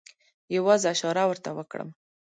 یوازې اشاره ورته وکړم.